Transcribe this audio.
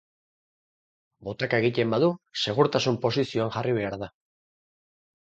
Botaka egiten badu segurtasun posizioan jarri behar da.